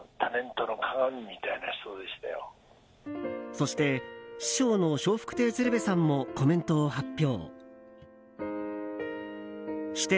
そして師匠の笑福亭鶴瓶さんもコメントを発表。